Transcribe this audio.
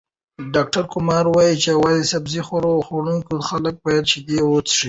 ډاکټر کمار وايي، یوازې سبزۍ خوړونکي خلک باید شیدې وڅښي.